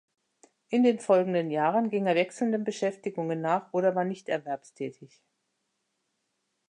In den folgenden Jahren ging er wechselnden Beschäftigungen nach oder war nicht erwerbstätig.